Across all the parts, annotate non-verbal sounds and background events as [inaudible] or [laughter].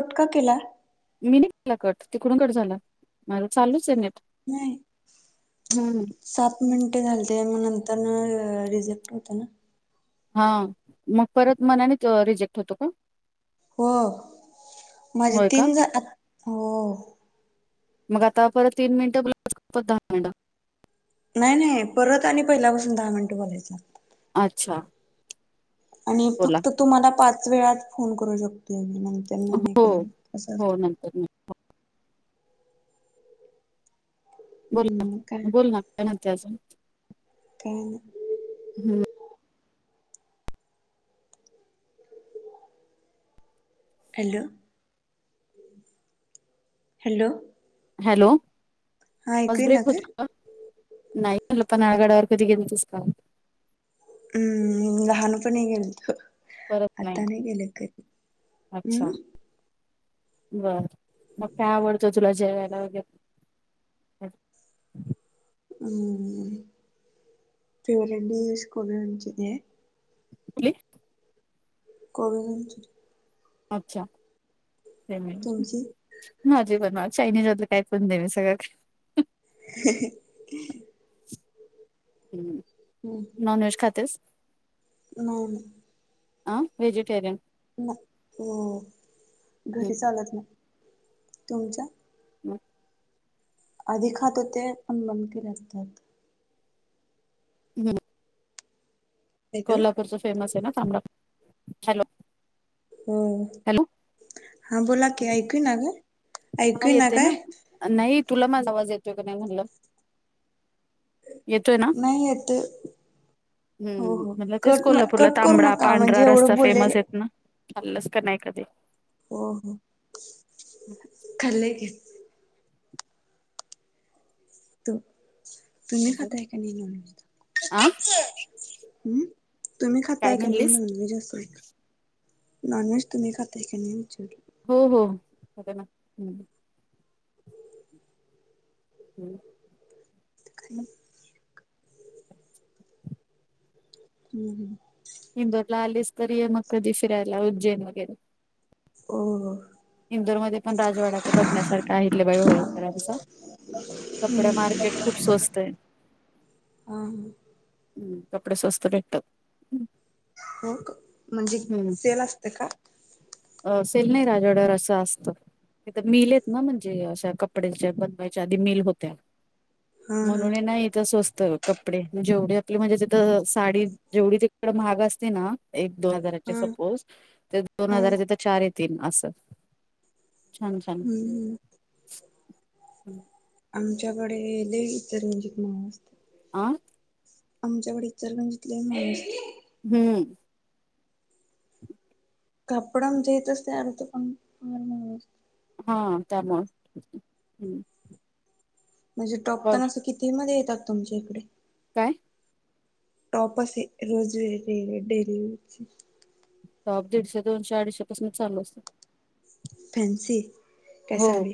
Cut का केला? मी नई केला कट तिकडून कट झाला, माझ चालूच हे नेट. नाही. हम्म [inaudible] सात मिनटे झालते मग नंतर न रिजेक्ट होतं ना. हा मग परत मनानेच अं रिजेक्ट होतो का? हो माझे होय का तीन झा हो. मग आता परत तीन मिनिटं बोल [inaudible] परत दहा मिनटं? नाही-नाही परत आणि पहिल्या पासून दहा मिनटं बोलायचं. आच्छा. आणि फक्त तुम्हाला पाच वेळात फोन करू शकते म नंतर. नाही हो, करू शकत असं हो असतं. नंतर. हम्म काय बोलना- बोलना काय म्हणते अजुन? काय नाही. हम्म. ऍलो. हॅलो. हॅलो, हा ऐकू आवाज येईना ब्रेक काय? होतोय का? नाही म्हणलं, पन्हाळ गडावर कधी गेलतीस का? हम्म, लहानपणी गेलतो आता नाही गेले कधी. हम्म अच्छा, बर. मग काय आवडतं तुला जेवायला वगैरे? हम्म, फेवरेट डिश [unintelligible] आहे. कुठली? Korean Chile. अच्छा. [unintelligible] तुमची माझी का ना चायनीजातल काय पण नाही सगळे [inaudible] हू हू हम्म. नॉनव्हेज खातेस नाही नाही आ वेजिटेरियन ना हो घरी हम्म चालत नाही तुमच्या म- आधी खात होते पण बंद केले आत्ता आत्ता हू हॅलो कोल्हापूरचा फेमस आहे ना तांबडा हॅलो हो हॅलो हा बोला की ऐकू इना काय हा येते ना नाही तुला माझा आवाज येतोय का नाही म्हणलं नाही येतोय हू म्हणलं तेच न- कोल्हापूरला कट करू तांबडा नका म्हणजे पांढरा एवढं रस्सा बोललेल फेमस आहेत ना खाल्लस का नाही कधी हो हो खाल्लय की तू तुम्ही अजून खाताय का नाही नॉनव्हेज आ हू तुम्ही काय खाताय का नाही म्हणलीस नॉनव्हेज असं नॉनव्हेज तुम्ही खाताय का नाही विचारलं हो हो खाते ना हू हू हू इंदोरला आलीस तर ये मग कधी फिरायला उज्जैन वगैरे हो हो इंदोरमध्ये पण राजवाडा ते बघण्यासारखे आहे अहिल्याबाई होलकरांचा कपडा मार्केट खूप स्वस्त हाय ह ह हू कपडे स्वस्त भेटतात हो का म्हणजे सेल असतय का अ सेल नाही राजवाड्यावर असं असतं तिथ मिल आहेत ना म्हणजे अशा कपड्याच्या बनवायच्या आधी मिल होत्या हा म्हणून हाय ना इथ स्वस्त कपडे जेवढे आपले म्हणजे जीथं साडी जेवढी तिकड महाग असते ना एक दोन हजाराचे हा सपोज त्या दोन हा हजाराच्या इथ चार येतील असं छान छान हम्म आमच्याकडे देवीचे रंजिक माळ असते आ आमच्याकडे इचलकरंजीतले हू कपडा आमच्या इथ असतोय आमच पण हा त्यामुळे हू म्हणजे टॉप तेन असं किती मध्ये येतात तुमच्या इकडे काय टॉप असे रोज विअर ते डेली वीयरचे टॉप दिडशे दोनशे अडीशे पासनच चालू अस फॅन्सी काय हो साधे?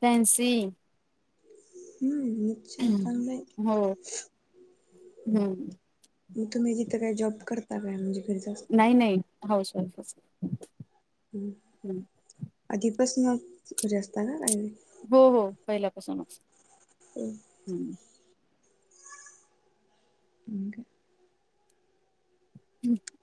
फॅन्सी हू हू हो हू मग तुम्ही जिथं काय जॉब करता काय म्हणजे घरी जा-. नाही नाही पाऊस. ह आधीपासन घरी असतना राहील. हो हो पहिल्यापासूनच. हम्. हम्म् हक.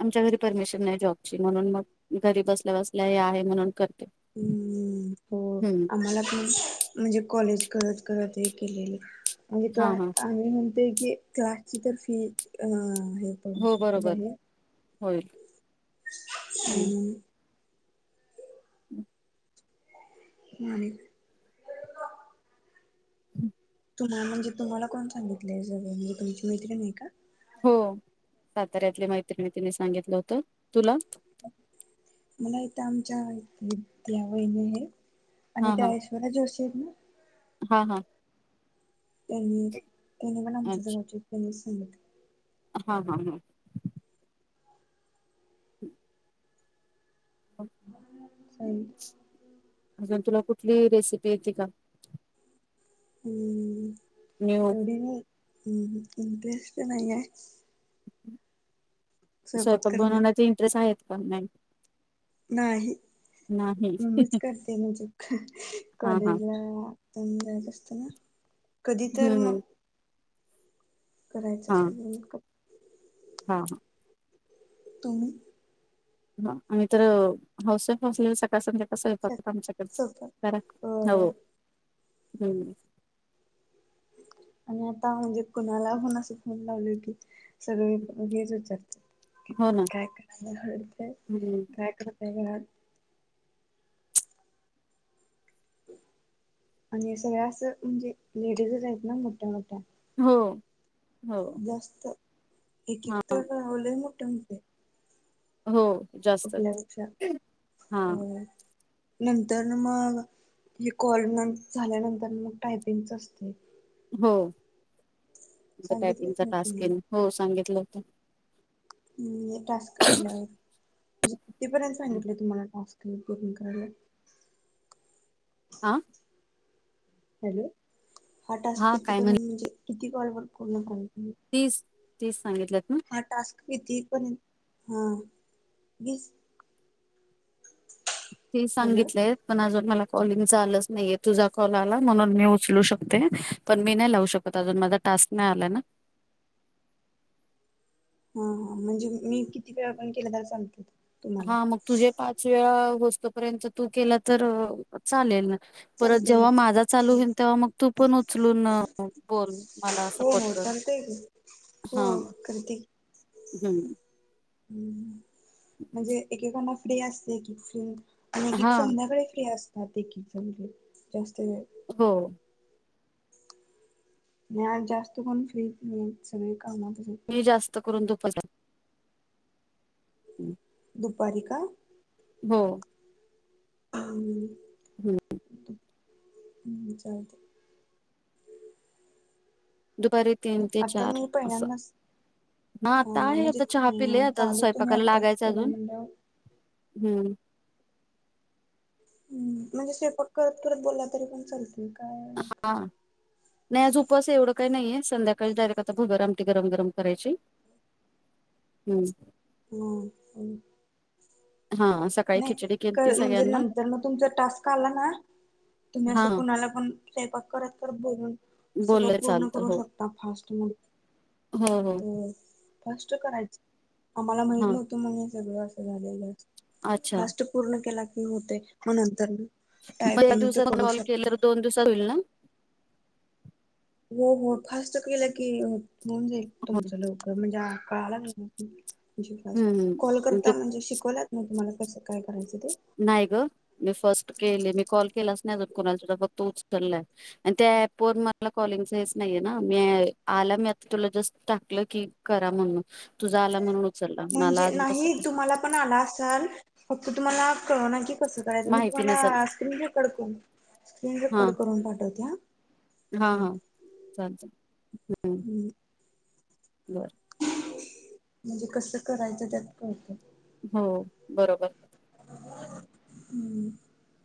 आमच्या घरी परमिशन नाही जॉबची म्हणून मग घरी बसल्या बसल्या हे आहे म्हणून करते. हम् हो हम्म आम्हाला पण. म्हणजे कॉलेज करत करत हे केलेले म्हणजे हा हा आम्ही म्हणते की. क्लासची तर अ हे. पडू हो शकते बरोबर होय. हम्. हम्म. आणि. हम्म. तुम्हाला म्हणजे सांगितला कोणी सांगितलं हे सगळ म्हणजे तुमची मैत्री हे का. हो साताऱ्यातली मैत्रिणी तिने सांगितलं होत तुला. मला इथ आमच्या त्या वहिणी आहेत आणि हा त्या हा ऐश्वररा जोशी आहेत ना. हा हां. त्यांनी त्यांनी पण आमच्या अच्छा जवळचे त्यांनी सांगित. हा. हम. ह. सई. अजून तुला कुठली रेसिपी येते का. हम् न्यू एवडी नाही इंटरेस्ट नाहीये. स्वयंपाक बनवण्याचा इंटरेस्ट आहेत का नाही. नाही नाही ममीच करते ना च हा हा कॉलेजला. जायच असत ना कधी हम्म तर. हम्म करायचं असलेलं मेकअप. हा हा. तुम्ही. आम्ही तर हाऊस वाईफ असले सकाळ संध्या. तसं स्वयंपाक पण आमच्याकडच सोप करा हो हळू हळू. आणि आता म्हणजे कणाला कोनाच असं फोन लावले की सगळे हेच विचारतात. हो ना. काय करताय हम्म, काय करताय घरात. आणि सगळ्या असं म्हणजे लेडीजच आहेत ना मोठ्या मोठ्या. हो. हो. जास्त एक एक हां, तर लंय मोठ्या होत्या. हो. आपल्या जास्तच. पेक्षा हां, हो. नंतर मग हे कॉल न झाल्यानंतर मग टायपिंगच असते सांगितलेच टायपिंगचा नाही टास्क तुम्हाला केल सांगितलं होत. हम् टास्क झाल्यावर म्हणजे कितीपर्यंत सांगितलंय तुम्हाला टास्क पूर्ण करायला? आ? हॅलो हा टास्क हां किती काय म्हण पर्यंत म्हणजे किती कॉल वर पूर्ण कर तीस तीस सांगितल्यात ना? हा टास्क किती पर्यंत हा वीस तीस हॅलो सांगितलय पण अजून मला कॉलिंगच आलंच नाहीेये तुझा कॉल आला म्हणून मी उचलू शकते, पण मी नाही लावू शकत अजून माझा टास्क नाही आला ना. हा हा म्हणजे मी किती वेळा पण केला तर चालतो. हा मग तुझे पाच वेळा होस्तो पर्यंत तू केला तर चालेल ना, परत चालते जेव्हा माझा चालू होईल तेव्हा मग तू पण उचलून बोल मला हो सपोर्ट हो कर. चालतय की हो करती. हम. ह म्हणजे एकेकांना फ्री असते की फ्री आणि एक एक हा संध्याकाळी फ्री असतात एक एक जणं जास्त वेळ. हो. नाही आज जास्त कोण फ्री च नाहीत सगळे कामातच आहेत. मी जास्त करून दुपज [unintelligible] हम्म. दुपारी का? हो. हम्म हं चालतंय. दुपारी तीन ते आता चार मी असं. पहिल्यांदाच म अ आता आहे म्हणजे आता चहा पिले, अ आता चालू तुम्ही स्वयंपाकाला आत्ताच लागायच केलाय अजून. म्हणल्यावर हम्म. हम् म्हणजे स्वयंपाक करत करत बोला तरी पण चालत काय हा. नाही आज उपवास हाय, एवढं काही नाहीये, संध्याकाळी डायरेक्ट आता भगर आमटी गरम गरम करायची. हम्म. मग हा सका नाही कळ म्हणजे नंतर न तुमचा टास्क आला ना तुम्ही असं हा कुणाला पण स्वयंपाक करत करत बोलून सगळं बोललं पूर्ण चालतं करू हो शकता फास्ट मध्ये. हो हो. फास्ष्ट करायचं, आम्हाला माहित हा नव्हतं म्हणून हे सगळं असं झालेलं अच्छा फास्ट पूर्ण केला की होतय, मग नंतर पहिला टायपिंगच दिवसात करू कॉल शकता. केल्या वर दोन दिवसात होईल ना? हो हो फास्ट केलं की होऊन जाईल तुमचं लवकर, म्हणजे कळला म्हणजे बास, कॉल हम्म करता म्हणजे शिकवल्यातना तुम्हाला कसं काय करायचं ते? नाही ग मी फर्स्ट केले मी कॉल केलाच नाही अजून कुणाला फक्त उचललाय. आणि त्या ऍप वर मला कॉलिंगयच हेच नाहीये ना, मी आला मी आता तुला जस्ट टाकलं की करा म्हणून, तुझा आला म्हणून उचलला मला म्हणजे अजून नाही तसं काय तुम्हाला पण आला असाल, फक्त तुम्हाला कळना की कसं करायचं मी माहिती नसेल तुम्हाला स्क्रीन रेकॉर्ड करून स्क्रीन हा रेकॉर्ड करून पाठवते हा. हा हा चालतंय चल चल हम्म. बर. म्हणजे कसं करायचं त्यात कळत. हॊ बरोबर. हम्म.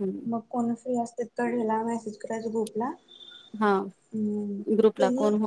हं. कोण फ्री असते कळेला मेसेज ग्रुपला. हा हम्म ग्रुपला त्यांनी कोण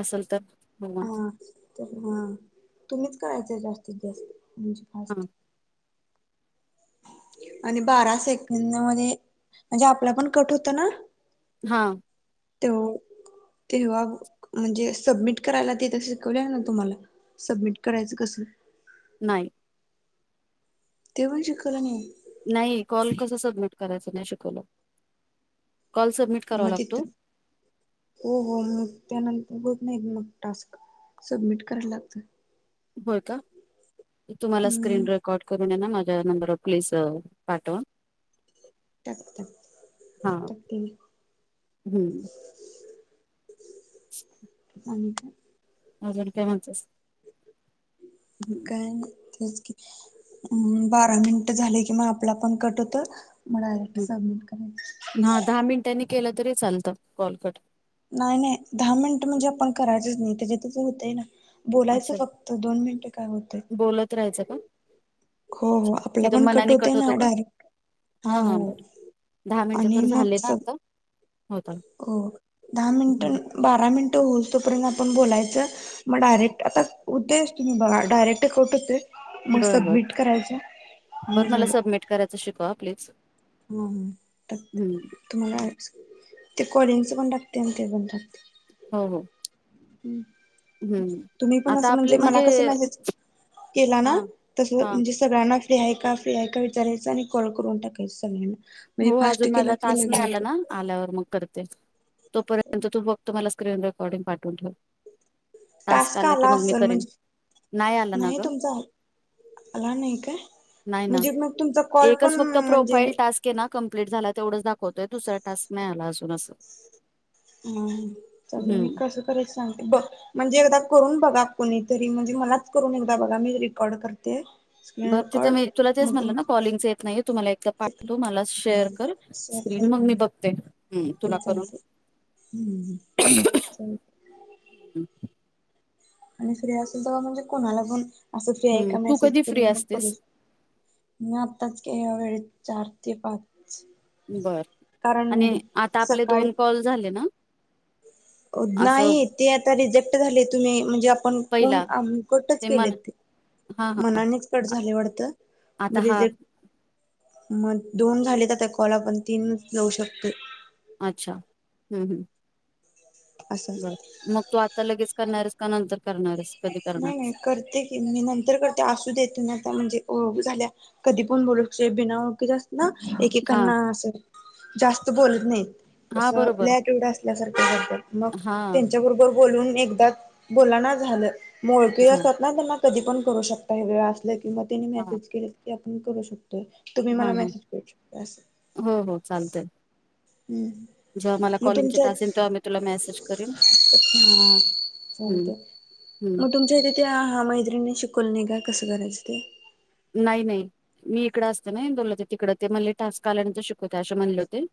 असेल तर. हो हा तर हा तुम्हीच करायचं जास्तीत जास्त म्हणजे. हां. फास्ट आणि बारा सेकंड मध्ये म्हणजे आपला पण कट होत ना हा ते् तेव्हा म्हणजे सबमिट करायला तेेत शिकवले ना तुम्हाला सबमिट करायच कस. नाही. ते पण शिकवले नाय. नाही कॉल कस सबमिट करायच नाही शिकवलं कॉल सबमिट. करावा मग लागतो त हो हो मग त्यानंतर होत नाही मग टास्क. सबमिट करायला लागतं. होय का मी तुम्हाला हम्म स्क्रीनवर. रेकॉर्ड करून ना माझ्या नंबर वर प्लीज पाठवा. त्यात काय हा पाठवतो की. हम्म आणि का. अजून काय म्हणतस. काय ते क बारा मिनिट झाले कि म आपला पण फोन कट होत. हा दहा मिनिटांनी केलं तरी चालतं कॉल कट. नाही नाही दहा मिनिट म्हणजे आपण करायच नाही त्या त्याच होतय ना बोलायचं अच्छा फक्त दोन मिनिटे काय होते. बोलत राहायचं का. हो हो अच्छा आपला तिथं पण कट मनाने होतोय ना होतो का डायरेक्ट. हा हां हां हो बरं दहा मिनटं आणि तर मग झाले ना सग. आता होता हो दहा मिनिट बारा मिनिट होउ तोपर्यंत आपण बोलायचं मग डायरेक्ट आता उद्देश तुम्ही बघा डायरेक्ट कट होतेय मग बरं बरं सबमिट करायचं मग झालं. करायच शिकवा प्लीज. हा ह हं. टाकते तुम्हाला ते कॉडिंगस पण टाकते ते पण टाकते. हो हो. ह् हं. तुम्ही पण अस आता म्हणजे आपले मला कसं मेसेज. केला ना हां तस हां म्हणजे. सगळ्यांना फ्री आहे का फ्री आहे का विचारायचं आणि. कॅल करून टाकाय हो अजून माझा तास नाही आला ना. आल्यावर मग करते तोपर्यंत तू बघ मला स्क्रीन रेकॉर्डिंग. पाठवून ठेव टास्क टाॅस्क की आला मग मी असेल करेन आला म्हंजे ना नाही ग तुमचा, आला नाही काय म्हणजे मग तुमचा कॉल पण म्हणजे, फहिल टास्क आहे ना कंप्लीट झाला तेवढंच दाखवतोय दुसरा टास्क आला नाही असून असं, मग चालतंय मी हम्म कसं तरी सांगते बघ, म्हणजे एकदा करून बघा कोणीतरी म्हणजे मलाच करून एकदा बघा मी रेकॉर्ड करते. स्क्रीन बरं तिथ रेकॉर्ड मी तुला तेच मग तुम म्हटलं ना कॉलींगच येत नाही आहे तु मला एकदा पाठतो मला शेअर कर स्क्रीन मग मी बघते तुला करून? ह्म्म ह्म्म चालेल हम्म आणि फ्री असेल तर म्हणजे कोणाला पण असं फ्री आहे हम्म. का तू मेसेज कधी फ्री करून मग करू असतेस शको मी आत्ताच केला ह्या वेळेत चार ते पाच. बरं कारण आणि आता आपले दोन कॉल झाले ना? अ नाही असं ते आता रिजेक्ट झाले तुम्ही म्हणजे आ कोण कोण पहिला आम कट्टच केलेत ते हा हा मनानेच कट आ- झाले वाटतं. मग आता हा रिजेक्ट, मग दोन झालीत आत्ता कॉल आपण तीनच लाऊ शकतोय. अच्छा ह्म ह्म असं. मग तू आता लगेच करणार आहेस का नंतर करणार आहेस? नाही नाही करते. मी नंतर करते असूदे तूम्ही आता नंतर म्हणजे ओळख झालीया कधी पण बोलू शकतोय बिना ओळखीचे अस ना हा एकेकाना असं, जास्त बोलत नाही हां कसं लई बरोबर. अटीट्युड असल्यासारखं करत्यात हां. त्यांच्याबरोबर, बोलून एकदा बोलला ना झालं मग ओळखीची झालं. असतात ना त्यांना, कधी पण करू शकता हे वेळ असलं किंवा त्यानी हां. मेसेज केले की आपण करू शकतोय. तूम्ही मला हां, हां. मेसेज करू शकत्याय असं. हो हो चालतंय. हम्म जेव्हा मला मग कॉलीगचे तुमच्या टास येईल तेवा मी तुला मेसेज करीन? हा चालतंय मग तुमच्या हितं त्या मैत्रिणीशी कोण नाही काय कसं करायचं ते? नाही नाही मी इकडं असताना मी बोलली होती तिकडं ते म्हणले टास्क आल्यानंतर शिकवतो आशे म्हणले होते.